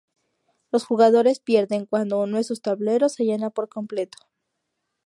Los jugadores pierden cuando uno de sus tableros se llena por completo.